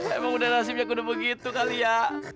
emang udah rahasianya gue begitu kali ya